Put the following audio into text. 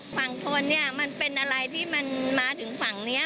ฝั่งทนเนี่ยมันเป็นอะไรที่มันมาถึงฝั่งนี้